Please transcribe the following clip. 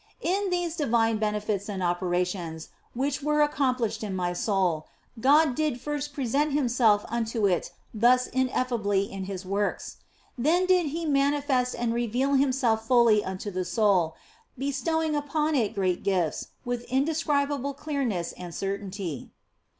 In these divine benefits and operations which were accomplished in my soul, God did first present Himself unto it thus ineffably in His works ; then did He manifest and reveal Himself fully unto the soul, bestowing upon it great gifts, with indescribable clearness and certainty.